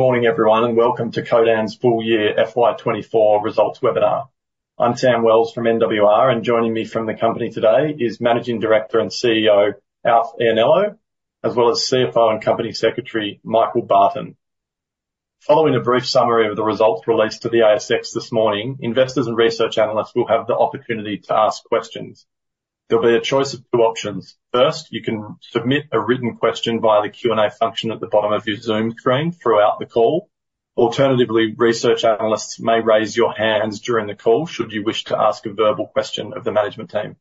Good morning, everyone, and welcome to Codan's full year FY 2024 results webinar. I'm Sam Wells from NWR, and joining me from the company today is Managing Director and CEO, Alf Iannello, as well as CFO and Company Secretary, Michael Barton. Following a brief summary of the results released to the ASX this morning, investors and research analysts will have the opportunity to ask questions. There'll be a choice of two options. First, you can submit a written question via the Q&A function at the bottom of your Zoom screen throughout the call. Alternatively, research analysts may raise your hands during the call should you wish to ask a verbal question of the management team.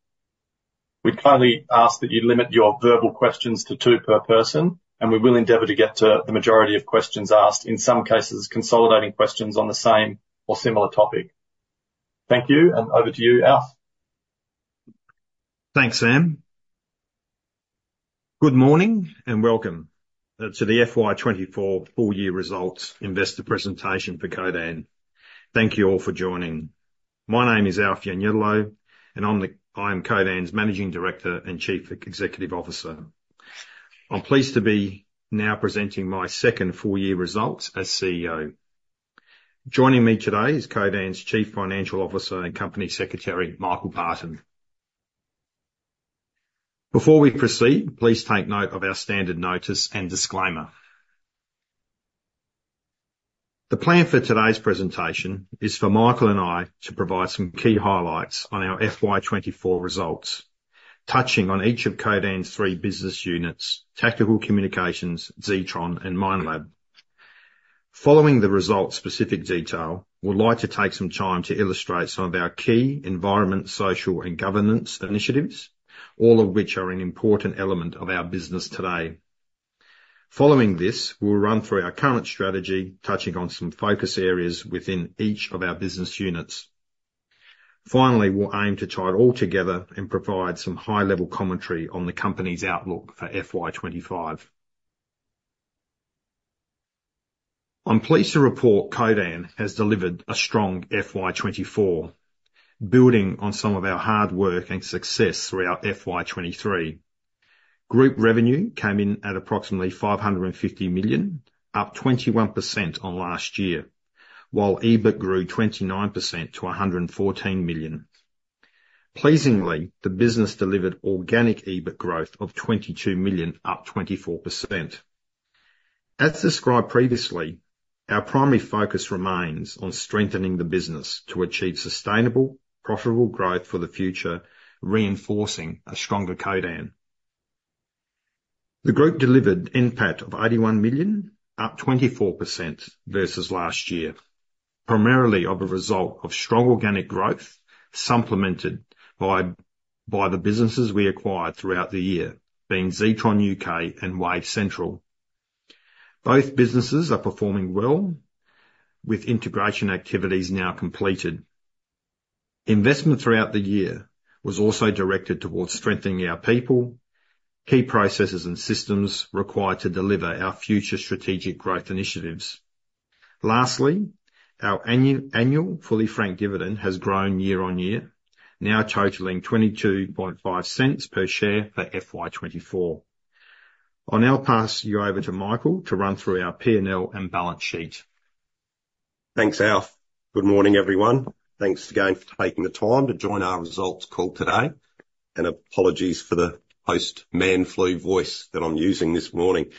We'd kindly ask that you limit your verbal questions to two per person, and we will endeavor to get to the majority of questions asked, in some cases, consolidating questions on the same or similar topic. Thank you, and over to you, Alf. Thanks, Sam. Good morning, and welcome to the FY 2024 full year results investor presentation for Codan. Thank you all for joining. My name is Alf Ianniello, and I'm Codan's Managing Director and Chief Executive Officer. I'm pleased to be now presenting my second full year results as CEO. Joining me today is Codan's Chief Financial Officer and Company Secretary, Michael Barton. Before we proceed, please take note of our standard notice and disclaimer. The plan for today's presentation is for Michael and I to provide some key highlights on our FY 2024 results, touching on each of Codan's three business units: Tactical Communications, Zetron, and Minelab. Following the results-specific detail, we'd like to take some time to illustrate some of our key environmental, social, and governance initiatives, all of which are an important element of our business today. Following this, we'll run through our current strategy, touching on some focus areas within each of our business units. Finally, we'll aim to tie it all together and provide some high-level commentary on the company's outlook for FY 2025. I'm pleased to report Codan has delivered a strong FY 2024, building on some of our hard work and success throughout FY 2023. Group revenue came in at approximately 550 million, up 21% on last year, while EBIT grew 29% to 114 million. Pleasingly, the business delivered organic EBIT growth of 22 million, up 24%. As described previously, our primary focus remains on strengthening the business to achieve sustainable, profitable growth for the future, reinforcing a stronger Codan. The group delivered NPAT of 81 million, up 24% versus last year, primarily as a result of strong organic growth, supplemented by the businesses we acquired throughout the year, being Zetron UK and Wave Central. Both businesses are performing well, with integration activities now completed. Investment throughout the year was also directed towards strengthening our people, key processes and systems required to deliver our future strategic growth initiatives. Lastly, our annual fully franked dividend has grown year on year, now totaling 0.225 per share for FY 2024. I'll now pass you over to Michael to run through our P&L and balance sheet. Thanks, Alf. Good morning, everyone. Thanks again for taking the time to join our results call today, and apologies for the post-man flu voice that I'm using this morning.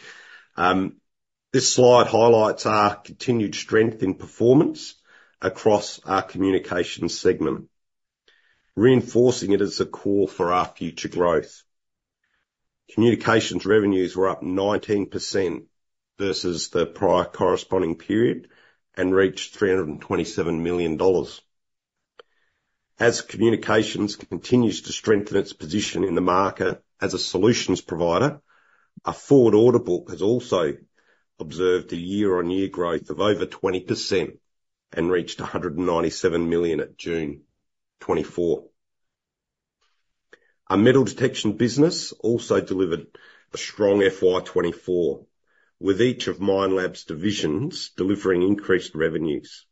This slide highlights our continued strength in performance across our communications segment, reinforcing it as a core for our future growth. Communications revenues were up 19% versus the prior corresponding period and reached 327 million dollars. As communications continues to strengthen its position in the market as a solutions provider, our forward order book has also observed a year-on-year growth of over 20% and reached 197 million at June 2024. Our metal detection business also delivered a strong FY 2024, with each of Minelab's divisions delivering increased revenues.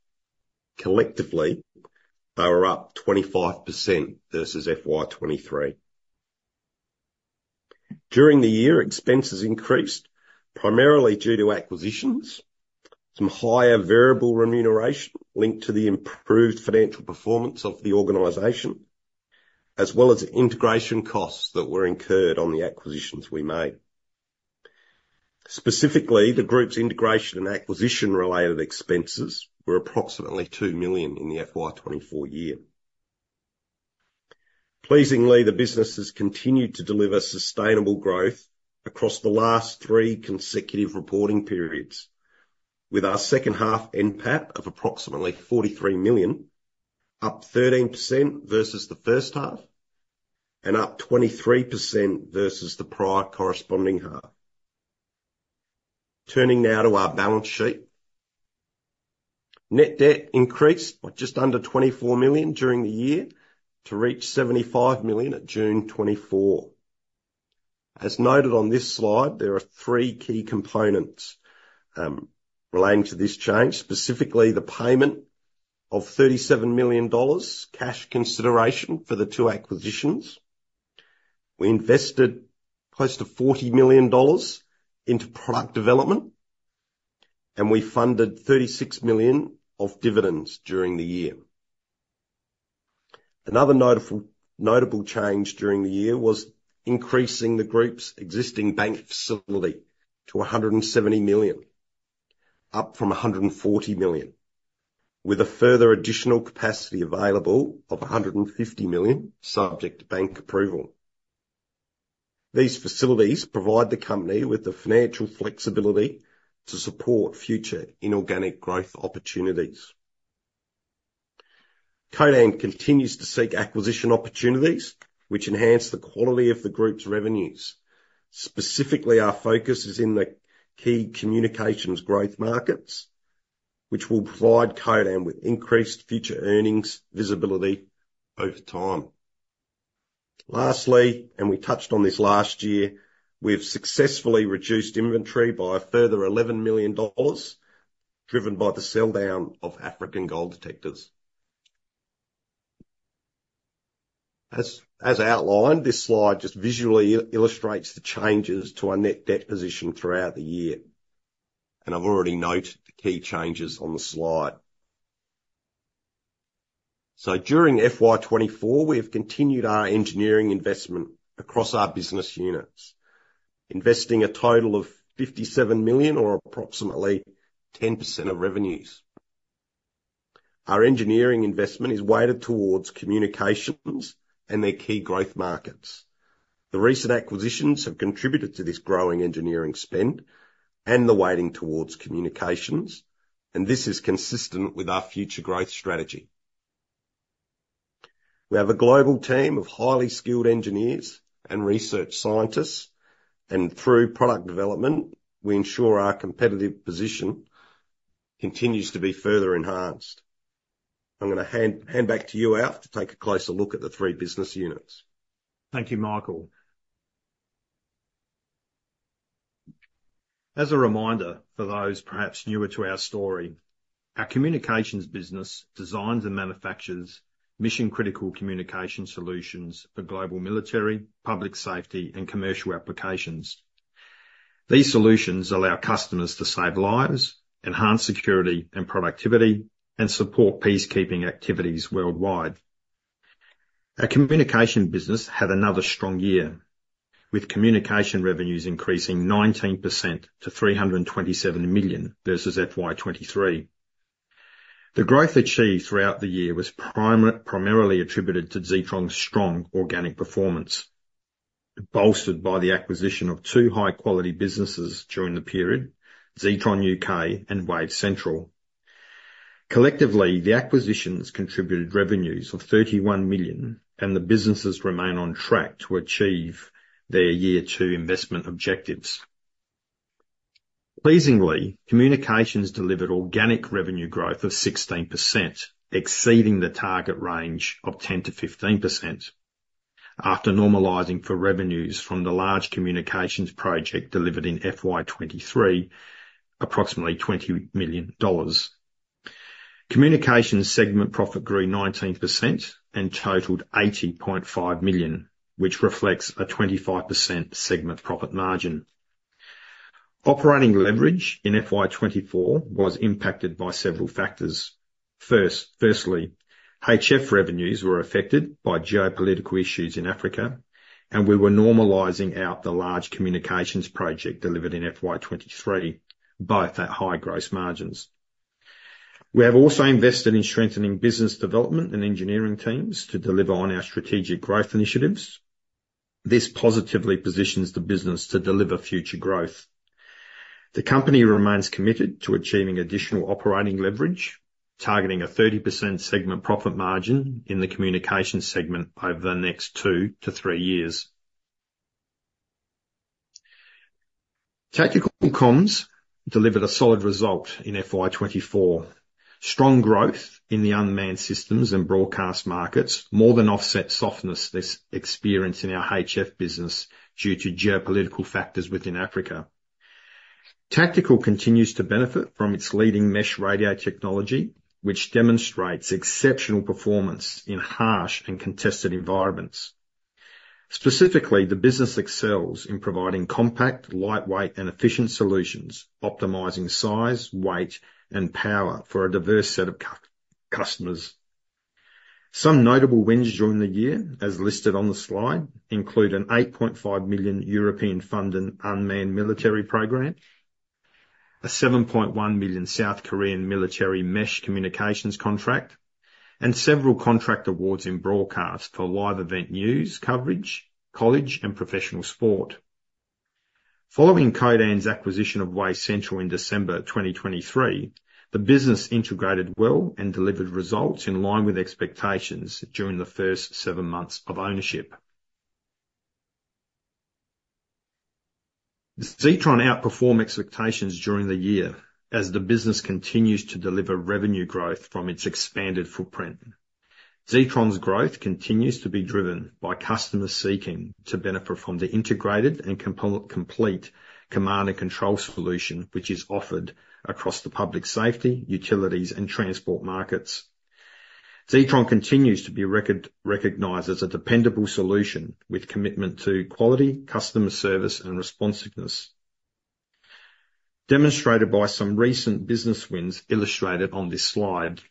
Collectively, they were up 25% versus FY 2023. During the year, expenses increased, primarily due to acquisitions, some higher variable remuneration linked to the improved financial performance of the organization, as well as integration costs that were incurred on the acquisitions we made. Specifically, the group's integration and acquisition-related expenses were approximately 2 million in the FY 2024 year. Pleasingly, the business has continued to deliver sustainable growth across the last three consecutive reporting periods, with our second half NPAT of approximately 43 million, up 13% versus the first half and up 23% versus the prior corresponding half. Turning now to our balance sheet. Net debt increased by just under 24 million during the year, to reach 75 million at June 2024. As noted on this slide, there are three key components relating to this change, specifically the payment of 37 million dollars cash consideration for the two acquisitions. We invested close to 40 million dollars into product development, and we funded 36 million of dividends during the year. Another notable change during the year was increasing the group's existing bank facility to 170 million, up from 140 million, with a further additional capacity available of 150 million, subject to bank approval. These facilities provide the company with the financial flexibility to support future inorganic growth opportunities. Codan continues to seek acquisition opportunities which enhance the quality of the group's revenues. Specifically, our focus is in the key communications growth markets, which will provide Codan with increased future earnings visibility over time. Lastly, and we touched on this last year, we've successfully reduced inventory by a further 11 million dollars, driven by the sell down of African gold detectors. As outlined, this slide just visually illustrates the changes to our net debt position throughout the year, and I've already noted the key changes on the slide. So during FY 2024, we have continued our engineering investment across our business units, investing a total of 57 million or approximately 10% of revenues. Our engineering investment is weighted towards communications and their key growth markets. The recent acquisitions have contributed to this growing engineering spend and the weighting towards communications, and this is consistent with our future growth strategy. We have a global team of highly skilled engineers and research scientists, and through product development, we ensure our competitive position continues to be further enhanced. I'm gonna hand back to you, Alf, to take a closer look at the three business units. Thank you, Michael. As a reminder, for those perhaps newer to our story, our communications business designs and manufactures mission-critical communication solutions for global military, public safety, and commercial applications. These solutions allow customers to save lives, enhance security and productivity, and support peacekeeping activities worldwide. Our communication business had another strong year, with communication revenues increasing 19% to 327 million versus FY 2023. The growth achieved throughout the year was primarily attributed to Zetron's strong organic performance, bolstered by the acquisition of two high-quality businesses during the period, Zetron UK and Wave Central. Collectively, the acquisitions contributed revenues of 31 million, and the businesses remain on track to achieve their year two investment objectives. Pleasingly, communications delivered organic revenue growth of 16%, exceeding the target range of 10%-15%. After normalizing for revenues from the large communications project delivered in FY 2023, approximately AUD 20 million. Communications segment profit grew 19% and totaled 80.5 million, which reflects a 25% segment profit margin. Operating leverage in FY 2024 was impacted by several factors. First, HF revenues were affected by geopolitical issues in Africa, and we were normalizing out the large communications project delivered in FY 2023, both at high gross margins. We have also invested in strengthening business development and engineering teams to deliver on our strategic growth initiatives. This positively positions the business to deliver future growth. The company remains committed to achieving additional operating leverage, targeting a 30% segment profit margin in the communications segment over the next two to three years. Tactical Comms delivered a solid result in FY 2024. Strong growth in the unmanned systems and broadcast markets more than offset softness we experienced in our HF business due to geopolitical factors within Africa. Tactical continues to benefit from its leading mesh radio technology, which demonstrates exceptional performance in harsh and contested environments. Specifically, the business excels in providing compact, lightweight, and efficient solutions, optimizing size, weight, and power for a diverse set of customers. Some notable wins during the year, as listed on the slide, include an 8.5 million European-funded unmanned military program, a 7.1 million South Korean military mesh communications contract, and several contract awards in broadcast for live event news coverage, college and professional sport. Following Codan's acquisition of Wave Central in December 2023, the business integrated well and delivered results in line with expectations during the first seven months of ownership. Zetron outperformed expectations during the year as the business continues to deliver revenue growth from its expanded footprint. Zetron's growth continues to be driven by customers seeking to benefit from the integrated and complete command and control solution, which is offered across the public safety, utilities, and transport markets. Zetron continues to be recognized as a dependable solution with commitment to quality, customer service, and responsiveness, demonstrated by some recent business wins illustrated on this slide.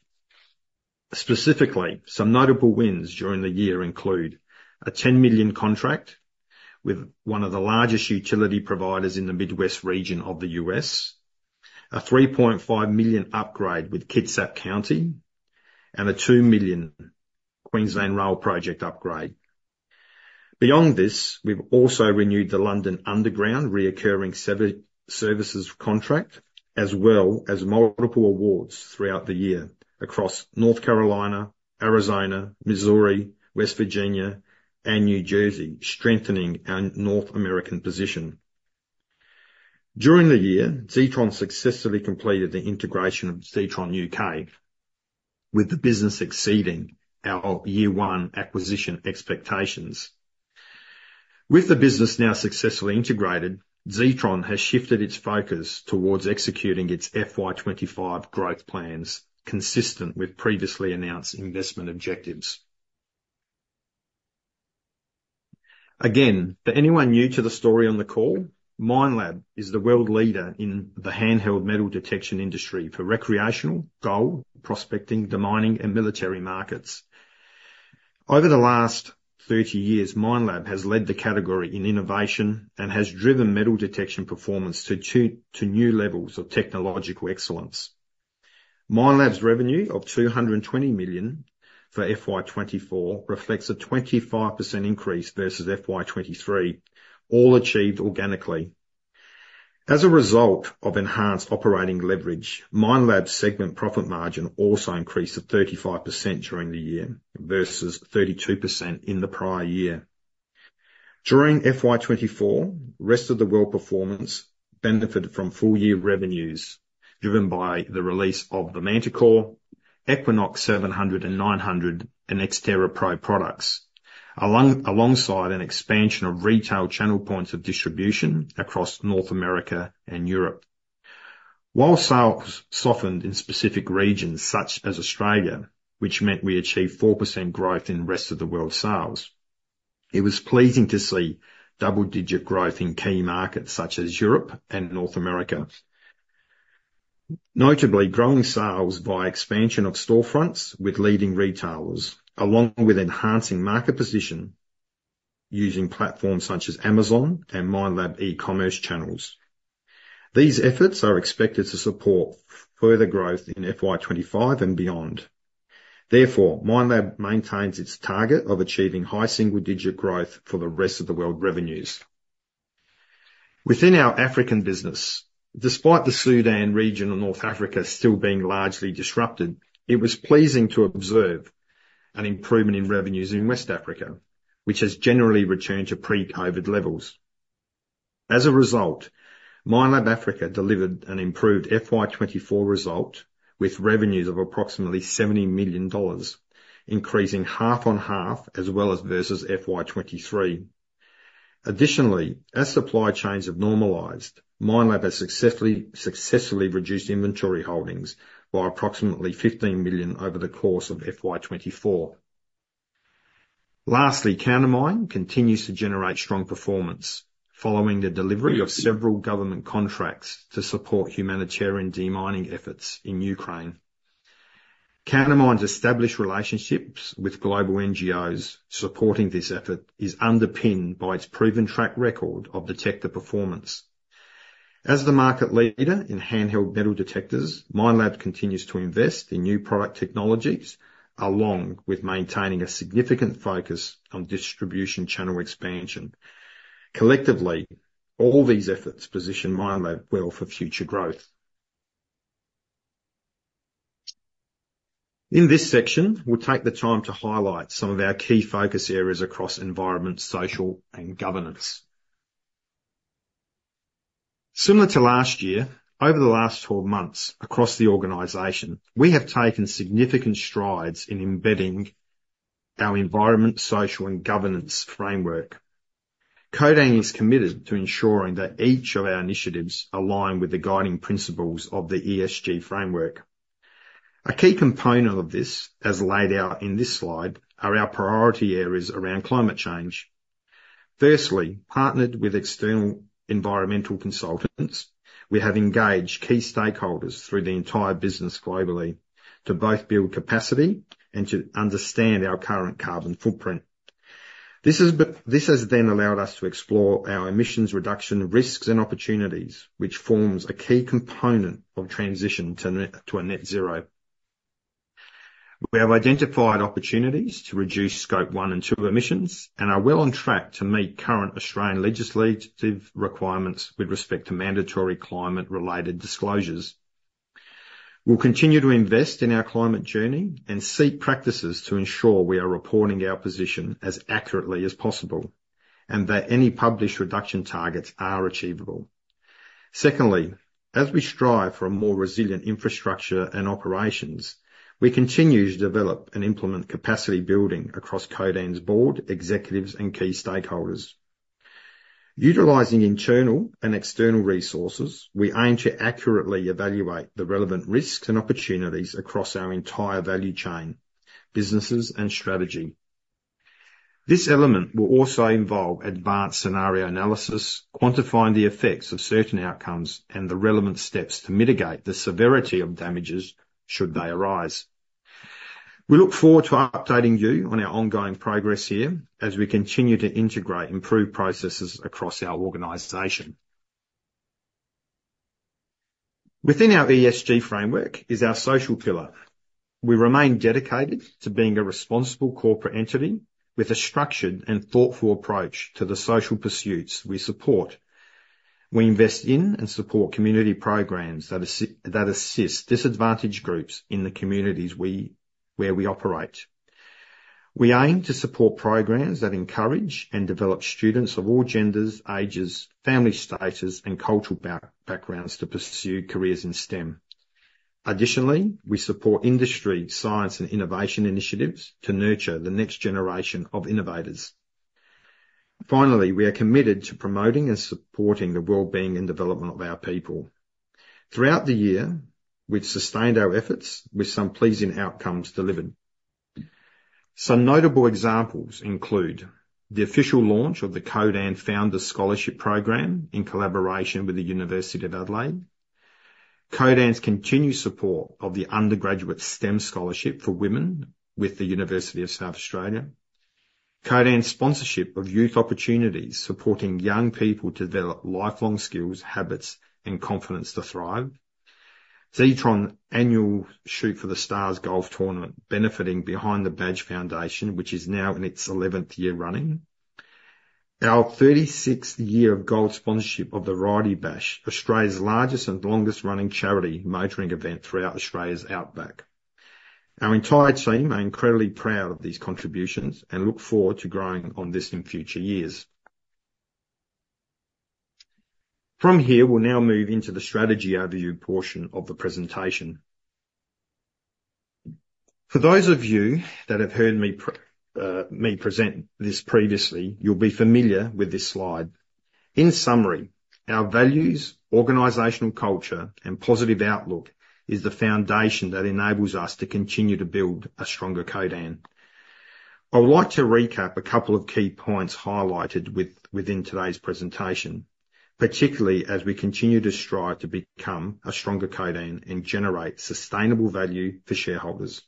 Specifically, some notable wins during the year include: a 10 million contract with one of the largest utility providers in the Midwest region of the U.S., a 3.5 million upgrade with Kitsap County, and a 2 million Queensland Rail project upgrade. Beyond this, we've also renewed the London Underground recurring services contract, as well as multiple awards throughout the year across North Carolina, Arizona, Missouri, West Virginia, and New Jersey, strengthening our North American position. During the year, Zetron successfully completed the integration of Zetron UK, with the business exceeding our year one acquisition expectations. With the business now successfully integrated, Zetron has shifted its focus towards executing its FY 2025 growth plans, consistent with previously announced investment objectives. Again, for anyone new to the story on the call, Minelab is the world leader in the handheld metal detection industry for recreational, gold, prospecting, demining, and military markets. Over the last 30 years, Minelab has led the category in innovation and has driven metal detection performance to two new levels of technological excellence. Minelab's revenue of 220 million for FY 2024 reflects a 25% increase versus FY 2023, all achieved organically. As a result of enhanced operating leverage, Minelab's segment profit margin also increased to 35% during the year, versus 32% in the prior year. During FY 2024, Rest of World performance benefited from full-year revenues, driven by the release of the Manticore, Equinox 700 and 900, and X-TERRA PRO products, alongside an expansion of retail channel points of distribution across North America and Europe. While sales softened in specific regions such as Australia, which meant we achieved 4% growth in the Rest of World sales, it was pleasing to see double-digit growth in key markets such as Europe and North America. Notably, growing sales via expansion of storefronts with leading retailers, along with enhancing market position using platforms such as Amazon and Minelab e-commerce channels. These efforts are expected to support further growth in FY 2025 and beyond. Therefore, Minelab maintains its target of achieving high single-digit growth for the Rest of the World revenues. Within our African business, despite the Sudan region and North Africa still being largely disrupted, it was pleasing to observe an improvement in revenues in West Africa, which has generally returned to pre-COVID levels. As a result, Minelab Africa delivered an improved FY 2024 result with revenues of approximately 70 million dollars, increasing half on half as well as versus FY 2023. Additionally, as supply chains have normalized, Minelab has successfully reduced inventory holdings by approximately 15 million over the course of FY 2024. Lastly, Countermine continues to generate strong performance following the delivery of several government contracts to support humanitarian demining efforts in Ukraine. Countermine's established relationships with global NGOs supporting this effort is underpinned by its proven track record of detector performance. As the market leader in handheld metal detectors, Minelab continues to invest in new product technologies, along with maintaining a significant focus on distribution channel expansion. Collectively, all these efforts position Minelab well for future growth. In this section, we'll take the time to highlight some of our key focus areas across environment, social, and governance. Similar to last year, over the last 12 months across the organization, we have taken significant strides in embedding our environment, social, and governance framework. Codan is committed to ensuring that each of our initiatives align with the guiding principles of the ESG framework. A key component of this, as laid out in this slide, are our priority areas around climate change. Firstly, partnered with external environmental consultants, we have engaged key stakeholders through the entire business globally to both build capacity and to understand our current carbon footprint. This has then allowed us to explore our emissions reduction risks and opportunities, which forms a key component of transition to net zero. We have identified opportunities to reduce Scope 1 and 2 emissions and are well on track to meet current Australian legislative requirements with respect to mandatory climate-related disclosures. We'll continue to invest in our climate journey and seek practices to ensure we are reporting our position as accurately as possible, and that any published reduction targets are achievable. Secondly, as we strive for a more resilient infrastructure and operations, we continue to develop and implement capacity building across Codan's board, executives, and key stakeholders. Utilizing internal and external resources, we aim to accurately evaluate the relevant risks and opportunities across our entire value chain, businesses, and strategy. This element will also involve advanced scenario analysis, quantifying the effects of certain outcomes, and the relevant steps to mitigate the severity of damages should they arise. We look forward to updating you on our ongoing progress here as we continue to integrate improved processes across our organization. Within our ESG framework is our social pillar. We remain dedicated to being a responsible corporate entity with a structured and thoughtful approach to the social pursuits we support. We invest in and support community programs that assist disadvantaged groups in the communities where we operate. We aim to support programs that encourage and develop students of all genders, ages, family status, and cultural backgrounds to pursue careers in STEM. Additionally, we support industry, science, and innovation initiatives to nurture the next generation of innovators. Finally, we are committed to promoting and supporting the well-being and development of our people. Throughout the year, we've sustained our efforts with some pleasing outcomes delivered. Some notable examples include the official launch of the Codan Founders Scholarship Program in collaboration with the University of Adelaide, Codan's continued support of the Undergraduate STEM Scholarship for Women with the University of South Australia, Codan's sponsorship of Youth Opportunities, supporting young people to develop lifelong skills, habits, and confidence to thrive. Zetron Annual Shoot for the Stars Golf Tournament, benefiting Behind the Badge Foundation, which is now in its 11th year running. Our 36th year of gold sponsorship of the Variety Bash, Australia's largest and longest running charity motoring event throughout Australia's Outback. Our entire team are incredibly proud of these contributions and look forward to growing on this in future years. From here, we'll now move into the strategy overview portion of the presentation. For those of you that have heard me present this previously, you'll be familiar with this slide. In summary, our values, organizational culture, and positive outlook is the foundation that enables us to continue to build a stronger Codan. I would like to recap a couple of key points highlighted within today's presentation, particularly as we continue to strive to become a stronger Codan and generate sustainable value for shareholders.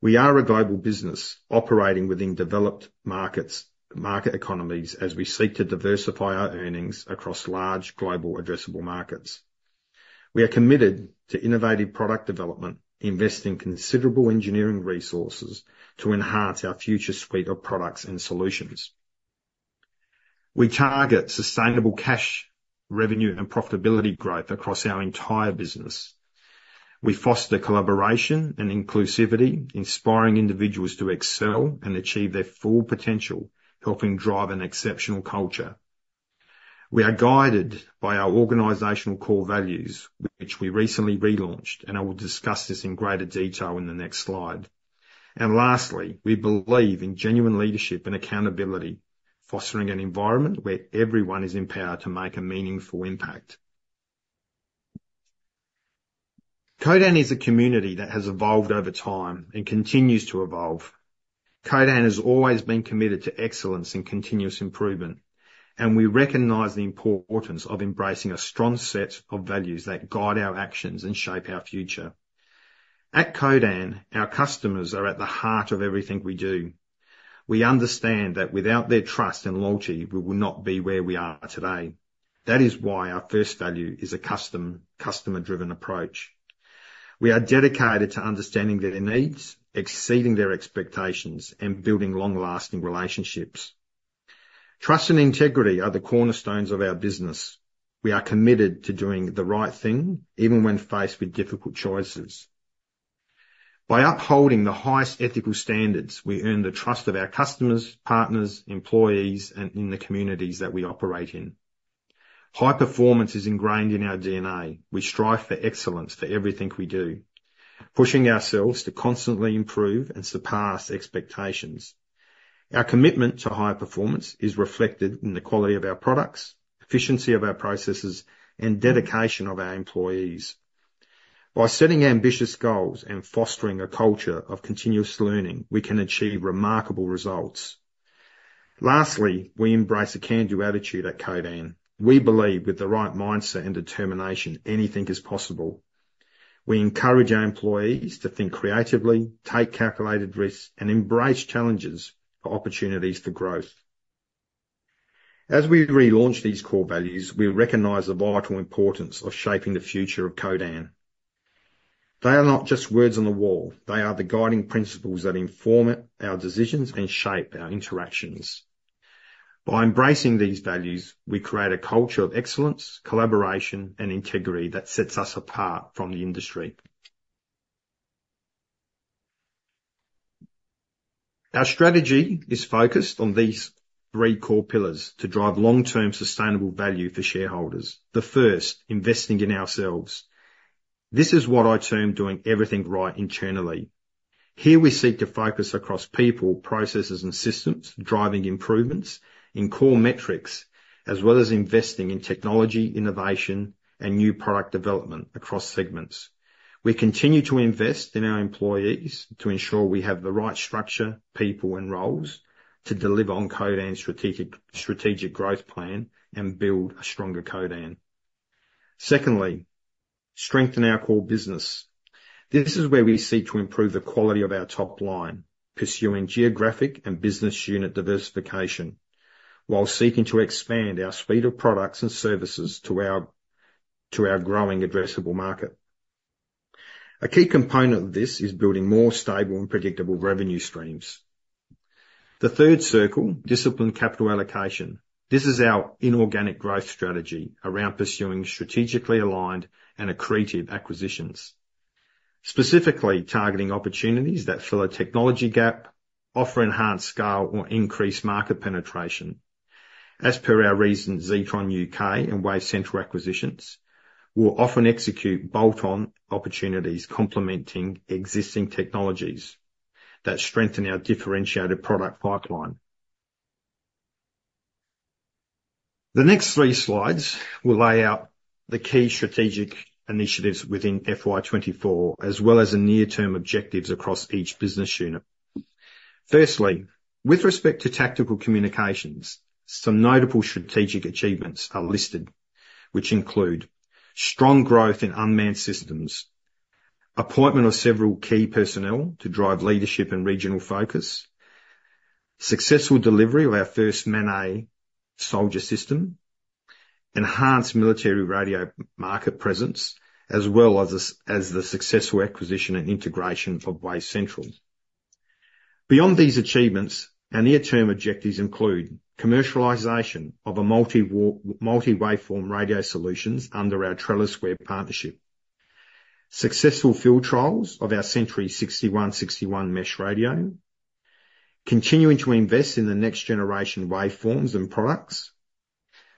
We are a global business operating within developed markets, market economies, as we seek to diversify our earnings across large global addressable markets. We are committed to innovative product development, investing considerable engineering resources to enhance our future suite of products and solutions. We target sustainable cash, revenue, and profitability growth across our entire business. We foster collaboration and inclusivity, inspiring individuals to excel and achieve their full potential, helping drive an exceptional culture. We are guided by our organizational core values, which we recently relaunched, and I will discuss this in greater detail in the next slide. And lastly, we believe in genuine leadership and accountability, fostering an environment where everyone is empowered to make a meaningful impact. Codan is a community that has evolved over time and continues to evolve. Codan has always been committed to excellence and continuous improvement, and we recognize the importance of embracing a strong set of values that guide our actions and shape our future. At Codan, our customers are at the heart of everything we do. We understand that without their trust and loyalty, we would not be where we are today. That is why our first value is a customer-driven approach. We are dedicated to understanding their needs, exceeding their expectations, and building long-lasting relationships. Trust and integrity are the cornerstones of our business. We are committed to doing the right thing, even when faced with difficult choices. By upholding the highest ethical standards, we earn the trust of our customers, partners, employees, and in the communities that we operate in. High performance is ingrained in our DNA. We strive for excellence for everything we do, pushing ourselves to constantly improve and surpass expectations. Our commitment to high performance is reflected in the quality of our products, efficiency of our processes, and dedication of our employees. By setting ambitious goals and fostering a culture of continuous learning, we can achieve remarkable results. Lastly, we embrace a can-do attitude at Codan. We believe with the right mindset and determination, anything is possible. We encourage our employees to think creatively, take calculated risks, and embrace challenges for opportunities for growth. As we relaunch these core values, we recognize the vital importance of shaping the future of Codan. They are not just words on the wall, they are the guiding principles that inform our decisions and shape our interactions. By embracing these values, we create a culture of excellence, collaboration, and integrity that sets us apart from the industry. Our strategy is focused on these three core pillars to drive long-term sustainable value for shareholders. The first, investing in ourselves... This is what I term doing everything right internally. Here we seek to focus across people, processes, and systems, driving improvements in core metrics, as well as investing in technology, innovation, and new product development across segments. We continue to invest in our employees to ensure we have the right structure, people, and roles to deliver on Codan's strategic growth plan and build a stronger Codan. Secondly, strengthen our core business. This is where we seek to improve the quality of our top line, pursuing geographic and business unit diversification, while seeking to expand our suite of products and services to our growing addressable market. A key component of this is building more stable and predictable revenue streams. The third circle, disciplined capital allocation. This is our inorganic growth strategy around pursuing strategically aligned and accretive acquisitions, specifically targeting opportunities that fill a technology gap, offer enhanced scale, or increase market penetration. As per our recent Zetron UK and Wave Central acquisitions, we'll often execute bolt-on opportunities, complementing existing technologies that strengthen our differentiated product pipeline. The next three slides will lay out the key strategic initiatives within FY 2024, as well as the near-term objectives across each business unit. Firstly, with respect to Tactical Communications, some notable strategic achievements are listed, which include strong growth in unmanned systems, appointment of several key personnel to drive leadership and regional focus, successful delivery of our first MANET soldier system, enhanced military radio market presence, as well as the successful acquisition and integration of Wave Central. Beyond these achievements, our near-term objectives include commercialization of a multi-waveform radio solutions under our TrellisWare partnership, successful field trials of our Sentry 6161 mesh radio, continuing to invest in the next generation waveforms and products,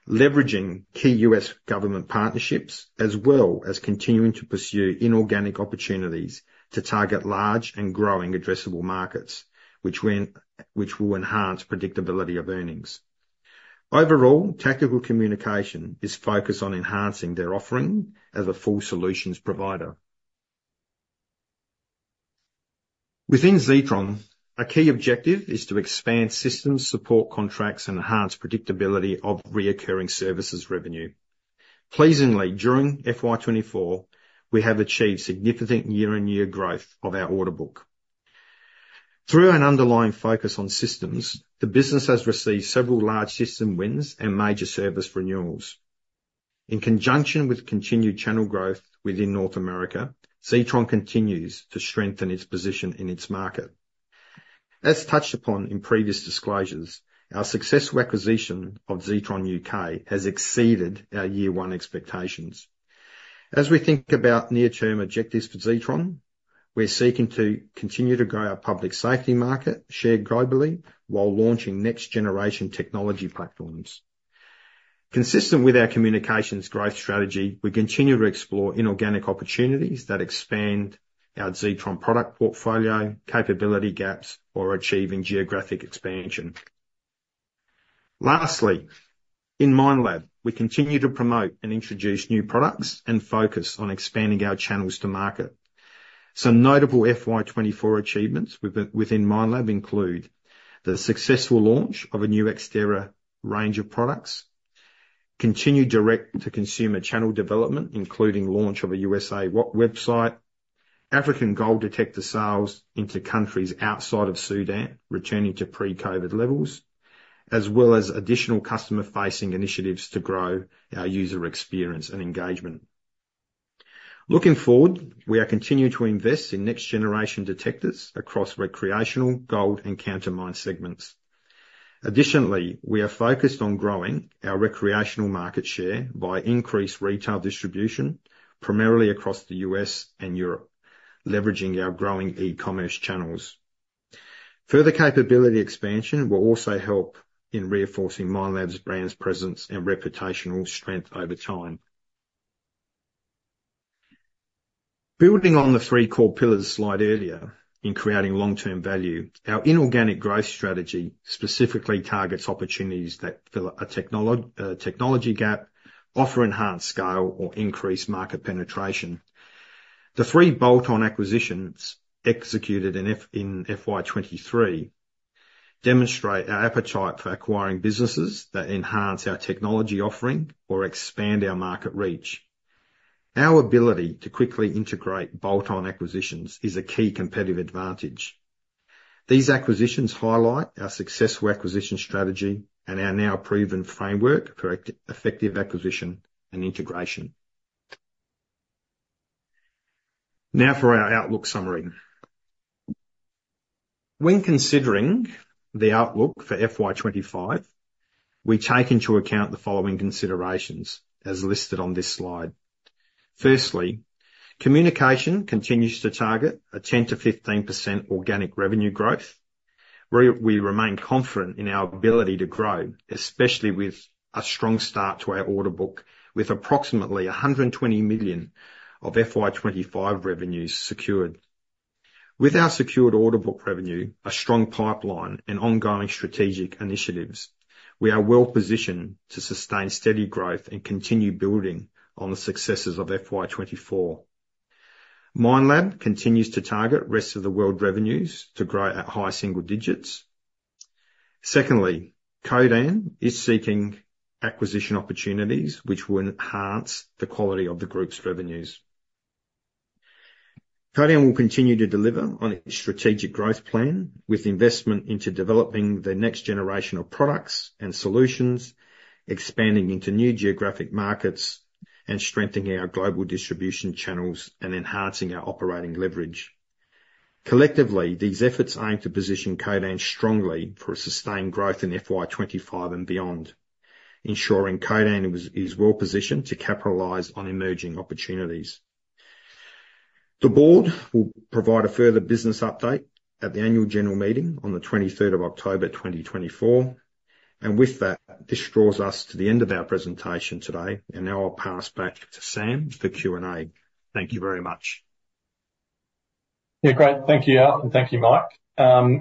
leveraging key U.S. government partnerships, as well as continuing to pursue inorganic opportunities to target large and growing addressable markets, which will enhance predictability of earnings. Overall, Tactical Communication is focused on enhancing their offering as a full solutions provider. Within Zetron, a key objective is to expand systems, support contracts, and enhance predictability of recurring services revenue. Pleasingly, during FY 2024, we have achieved significant year-on-year growth of our order book. Through an underlying focus on systems, the business has received several large system wins and major service renewals. In conjunction with continued channel growth within North America, Zetron continues to strengthen its position in its market. As touched upon in previous disclosures, our successful acquisition Zetron UK has exceeded our year one expectations. As we think about near-term objectives for Zetron, we're seeking to continue to grow our public safety market share globally while launching next generation technology platforms. Consistent with our communications growth strategy, we continue to explore inorganic opportunities that expand our Zetron product portfolio, capability gaps, or achieving geographic expansion. Lastly, in Minelab, we continue to promote and introduce new products and focus on expanding our channels to market. Some notable FY 2024 achievements within Minelab include the successful launch of a new X-TERRA range of products, continued direct-to-consumer channel development, including launch of a U.S.A. website, African gold detector sales into countries outside of Sudan, returning to pre-COVID levels, as well as additional customer-facing initiatives to grow our user experience and engagement. Looking forward, we are continuing to invest in next generation detectors across recreational, gold, and counter-mine segments. Additionally, we are focused on growing our recreational market share by increased retail distribution, primarily across the U.S. and Europe, leveraging our growing e-commerce channels. Further capability expansion will also help in reinforcing Minelab's brand's presence and reputational strength over time. Building on the three core pillars slide earlier in creating long-term value, our inorganic growth strategy specifically targets opportunities that fill a technology gap, offer enhanced scale, or increase market penetration. The three bolt-on acquisitions executed in FY 2023 demonstrate our appetite for acquiring businesses that enhance our technology offering or expand our market reach. Our ability to quickly integrate bolt-on acquisitions is a key competitive advantage. These acquisitions highlight our successful acquisition strategy and our now proven framework for effective acquisition and integration. Now for our outlook summary. When considering the outlook for FY 2025, we take into account the following considerations as listed on this slide. Firstly, Communications continues to target 10%-15% organic revenue growth. We remain confident in our ability to grow, especially with a strong start to our order book, with approximately 120 million of FY 2025 revenues secured. With our secured order book revenue, a strong pipeline, and ongoing strategic initiatives, we are well positioned to sustain steady growth and continue building on the successes of FY 2024. Minelab continues to target Rest of World revenues to grow at high single digits. Secondly, Codan is seeking acquisition opportunities which will enhance the quality of the group's revenues. Codan will continue to deliver on its strategic growth plan, with investment into developing the next generation of products and solutions, expanding into new geographic markets, and strengthening our global distribution channels, and enhancing our operating leverage. Collectively, these efforts aim to position Codan strongly for a sustained growth in FY 2025 and beyond, ensuring Codan is well positioned to capitalize on emerging opportunities. The board will provide a further business update at the annual general meeting on the 23rd of October, 2024. And with that, this draws us to the end of our presentation today, and now I'll pass back to Sam for Q&A. Thank you very much. Yeah, great. Thank you, Al, and thank you, Mike.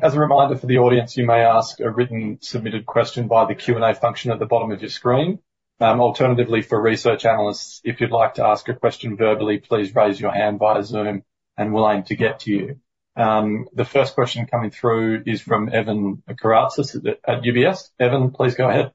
As a reminder for the audience, you may ask a written, submitted question via the Q&A function at the bottom of your screen. Alternatively, for research analysts, if you'd like to ask a question verbally, please raise your hand via Zoom, and we'll aim to get to you. The first question coming through is from Evan Karatzas at UBS. Evan, please go ahead.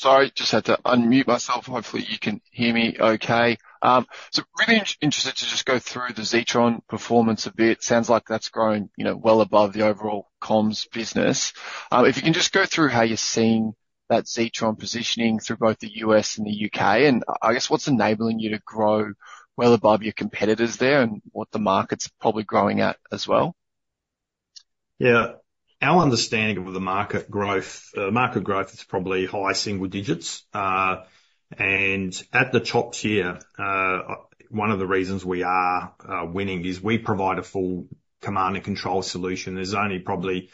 Sorry, just had to unmute myself. Hopefully, you can hear me okay, so really interested to just go through the Zetron performance a bit. Sounds like that's grown, you know, well above the overall comms business. If you can just go through how you're seeing that Zetron positioning through both the U.S. and the U.K., and I guess, what's enabling you to grow well above your competitors there and what the market's probably growing at as well? Yeah. Our understanding of the market growth is probably high single digits. And at the top tier, one of the reasons we are winning is we provide a full command and control solution. There's only probably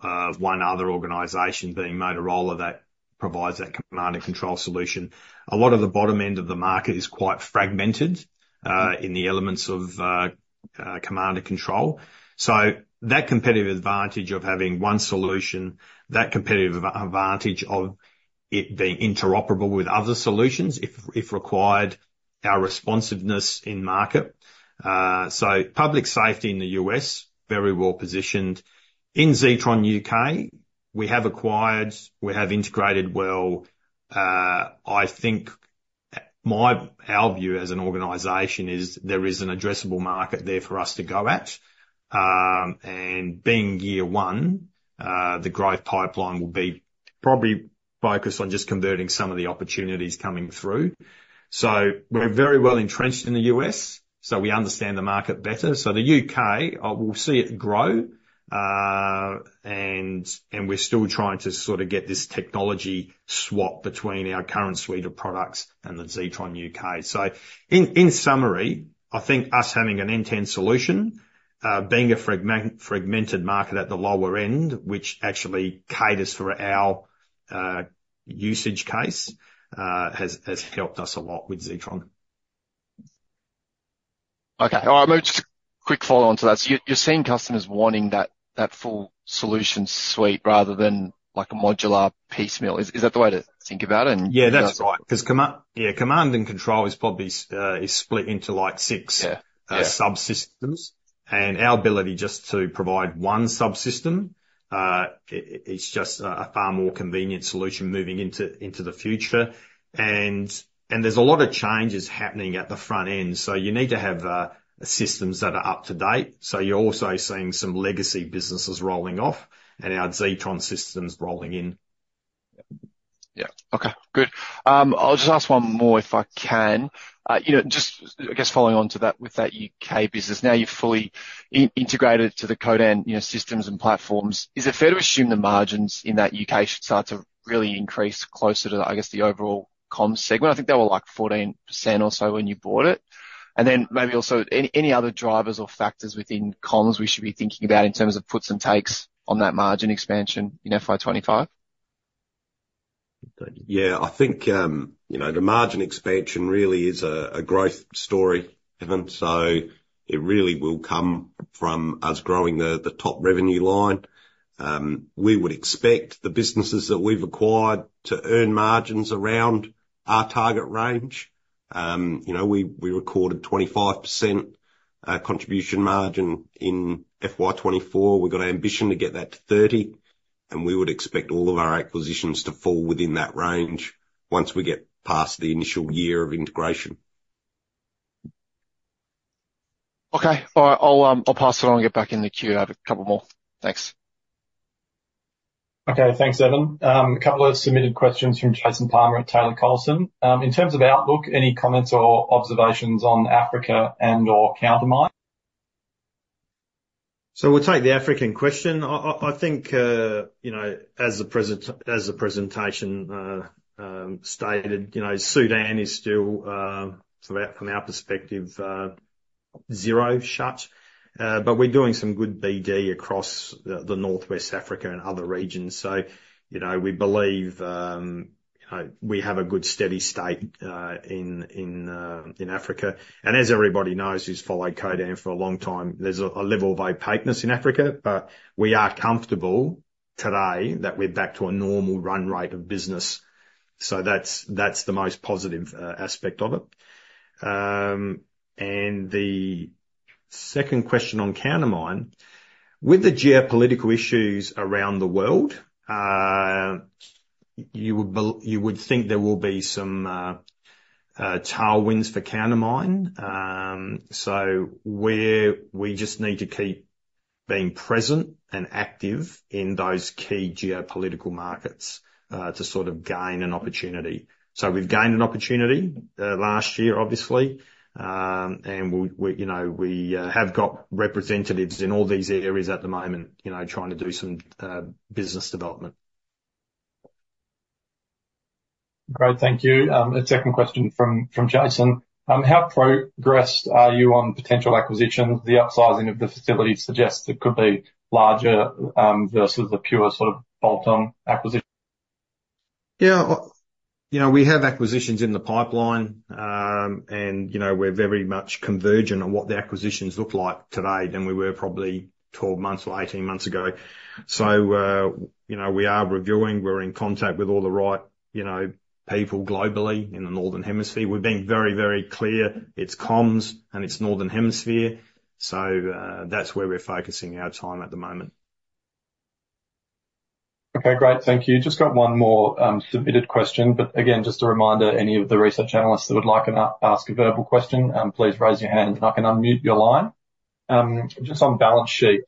one other organization, being Motorola, that provides that command and control solution. A lot of the bottom end of the market is quite fragmented in the elements of command and control. So that competitive advantage of having one solution, that competitive advantage of it being interoperable with other solutions if required, our responsiveness in market. So public safety in the U.S., very well positioned. Zetron UK, we have acquired, we have integrated well. I think our view as an organization is there is an addressable market there for us to go at. And being year one, the growth pipeline will be probably focused on just converting some of the opportunities coming through. So we're very well entrenched in the U.S., so we understand the market better. So the U.K., we'll see it grow, and we're still trying to sort of get this technology swap between our current suite of products and the Zetron UK So in summary, I think us having an end-to-end solution, being a fragmented market at the lower end, which actually caters for our use case, has helped us a lot with Zetron. Okay. All right, maybe just a quick follow-on to that. So you're seeing customers wanting that full solution suite rather than, like, a modular piecemeal. Is that the way to think about it. Yeah, that's right, 'cause command and control is probably split into, like, six subsystems. And our ability just to provide one subsystem. It's just a far more convenient solution moving into the future. And there's a lot of changes happening at the front end, so you need to have systems that are up to date, so you're also seeing some legacy businesses rolling off and our Zetron systems rolling in. Yeah. Okay, good. I'll just ask one more, if I can. You know, just, I guess, following on to that, with that U.K. business, now you've fully integrated to the Codan, you know, systems and platforms, is it fair to assume the margins in that U.K. should start to really increase closer to, I guess, the overall comms segment? I think they were, like, 14% or so when you bought it. And then maybe also, any other drivers or factors within comms we should be thinking about in terms of puts and takes on that margin expansion in FY 2025? Yeah. I think, you know, the margin expansion really is a growth story, Evan, so it really will come from us growing the top revenue line. We would expect the businesses that we've acquired to earn margins around our target range. You know, we recorded 25% contribution margin in FY 2024. We've got an ambition to get that to 30%, and we would expect all of our acquisitions to fall within that range once we get past the initial year of integration. Okay. All right, I'll pass it on and get back in the queue. I have a couple more. Thanks. Okay, thanks, Evan. A couple of submitted questions from Jason Palmer at Taylor Collison. In terms of outlook, any comments or observations on Africa and/or Countermine? So we'll take the African question. I think, you know, as the presentation stated, you know, Sudan is still, from our perspective, zero, shut. But we're doing some good BD across the Northwest Africa and other regions. So, you know, we believe, you know, we have a good, steady state, in Africa. And as everybody knows, who's followed Codan for a long time, there's a level of opaqueness in Africa, but we are comfortable today that we're back to a normal run rate of business. So that's the most positive aspect of it. And the second question on Countermine, with the geopolitical issues around the world, you would think there will be some tailwinds for Countermine. So we just need to keep being present and active in those key geopolitical markets to sort of gain an opportunity. So we've gained an opportunity last year, obviously. And we, you know, have got representatives in all these areas at the moment, you know, trying to do some business development. Great. Thank you. The second question from Jason. How progressed are you on potential acquisitions? The upsizing of the facility suggests it could be larger versus the pure sort of bolt-on acquisition. Yeah, you know, we have acquisitions in the pipeline. And, you know, we're very much convergent on what the acquisitions look like today than we were probably 12 months or 18 months ago. So, you know, we are reviewing, we're in contact with all the right, you know, people globally in the Northern Hemisphere. We've been very, very clear, it's comms, and it's Northern Hemisphere. So, that's where we're focusing our time at the moment. Okay, great. Thank you. Just got one more submitted question, but again, just a reminder, any of the research analysts that would like to ask a verbal question, please raise your hand and I can unmute your line. Just on balance sheet,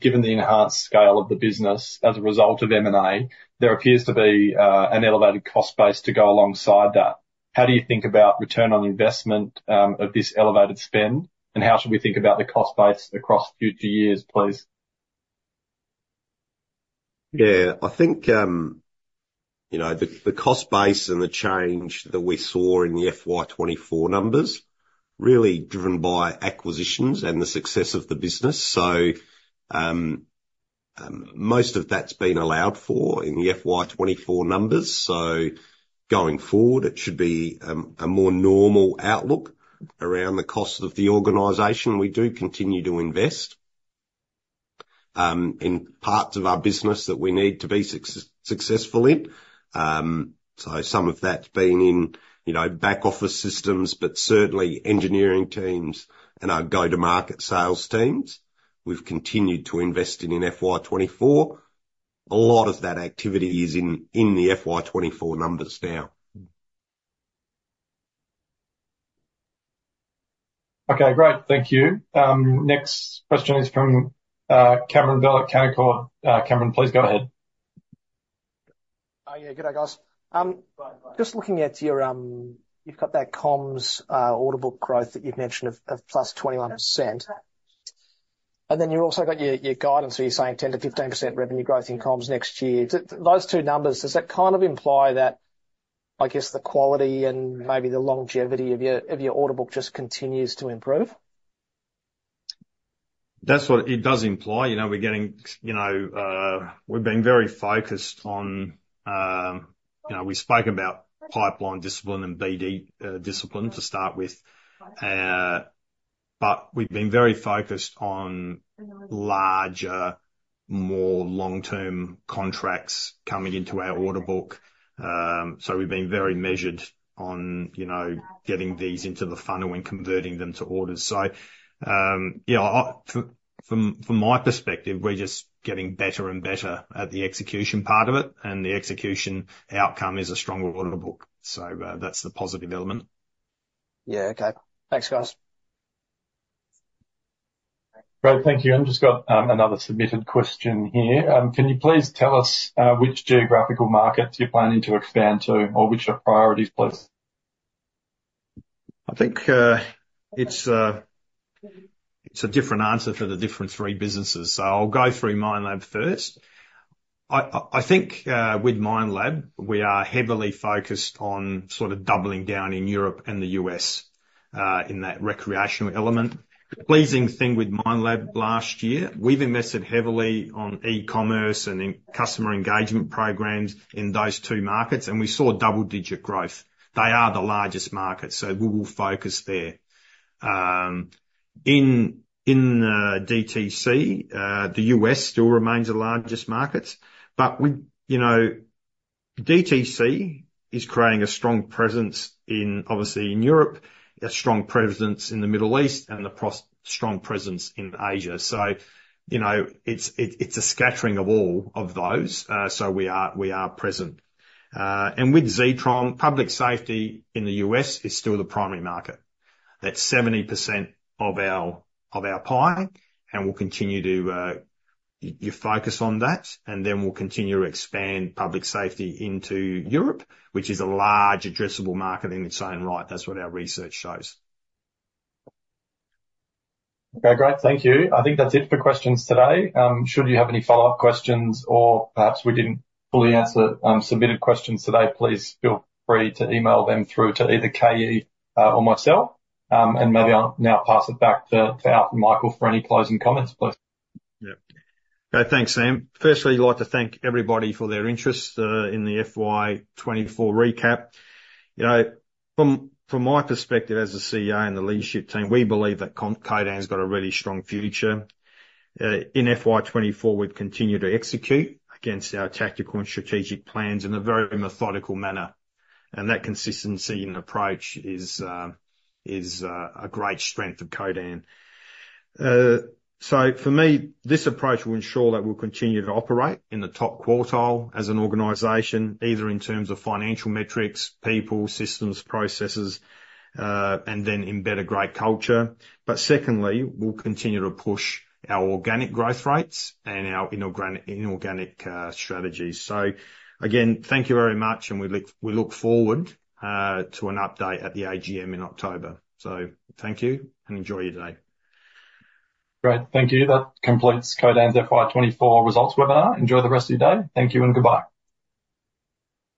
given the enhanced scale of the business as a result of M&A, there appears to be an elevated cost base to go alongside that. How do you think about return on investment of this elevated spend? And how should we think about the cost base across future years, please? Yeah. I think, you know, the cost base and the change that we saw in the FY 2024 numbers, really driven by acquisitions and the success of the business, so most of that's been allowed for in the FY 2024 numbers, so going forward, it should be a more normal outlook around the cost of the organization. We do continue to invest in parts of our business that we need to be successful in, so some of that's been in, you know, back office systems, but certainly engineering teams and our go-to-market sales teams, we've continued to invest in FY 2024. A lot of that activity is in the FY 2024 numbers now. Okay, great. Thank you. Next question is from Cameron Bell at Canaccord. Cameron, please go ahead. Oh, yeah. Good day, guys. Just looking at your, you've got that comms order book growth that you've mentioned of plus 21%. And then you've also got your guidance, so you're saying 10%-15% revenue growth in comms next year. Do those two numbers, does that kind of imply that, I guess, the quality and maybe the longevity of your order book just continues to improve? That's what it does imply. You know, we're getting, you know, we've been very focused on, you know, we spoke about pipeline discipline and BD discipline to start with, but we've been very focused on larger, more long-term contracts coming into our order book. So we've been very measured on, you know, getting these into the funnel and converting them to orders. Yeah, from my perspective, we're just getting better and better at the execution part of it, and the execution outcome is a stronger order book. That's the positive element. Yeah. Okay. Thanks, guys. Great, thank you. I've just got another submitted question here. Can you please tell us which geographical markets you're planning to expand to, or which are priorities, please? I think, it's a different answer for the different three businesses. So I'll go through Minelab first. I think, with Minelab, we are heavily focused on sort of doubling down in Europe and the U.S., in that recreational element. The pleasing thing with Minelab last year, we've invested heavily on e-commerce and in customer engagement programs in those two markets, and we saw double-digit growth. They are the largest market, so we will focus there. In DTC, the U.S. still remains the largest market, but we, you know, DTC is creating a strong presence in, obviously in Europe, a strong presence in the Middle East, and a strong presence in Asia. So, you know, it's a scattering of all of those. So we are present. And with Zetron, public safety in the U.S. is still the primary market. That's 70% of our pie, and we'll continue to focus on that, and then we'll continue to expand public safety into Europe, which is a large addressable market in its own right. That's what our research shows. Okay, great. Thank you. I think that's it for questions today. Should you have any follow-up questions or perhaps we didn't fully answer submitted questions today, please feel free to email them through to either Kayi or myself, and maybe I'll now pass it back to Alf and Michael for any closing comments, please. Yeah. Okay, thanks, Sam. Firstly, I'd like to thank everybody for their interest in the FY 2024 recap. You know, from my perspective as the CEO and the leadership team, we believe that Codan's got a really strong future. In FY 2024, we've continued to execute against our tactical and strategic plans in a very methodical manner, and that consistency and approach is a great strength of Codan. So for me, this approach will ensure that we'll continue to operate in the top quartile as an organization, either in terms of financial metrics, people, systems, processes, and then embed a great culture. But secondly, we'll continue to push our organic growth rates and our inorganic strategies. So again, thank you very much, and we look forward to an update at the AGM in October. So thank you, and enjoy your day. Great. Thank you. That completes Codan's FY 2024 results webinar. Enjoy the rest of your day. Thank you and goodbye.